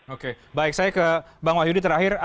oke baik saya ke bang wahyudi terakhir